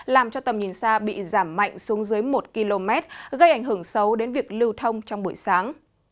làm cho tầm nhìn xa bị giảm mạnh xuống dưới một km gây ảnh hưởng xấu đến việc lưu thông trong buổi sáng